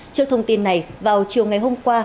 trước thông tin này vào chiều ngày hôm qua